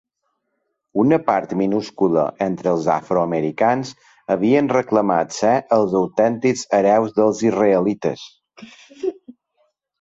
Una part minúscula entre els afroamericans havien reclamat ser els autèntics hereus dels israelites.